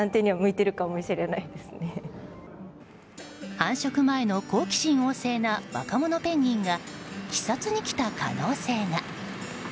繁殖前の好奇心旺盛な若者ペンギンが視察に来た可能性が。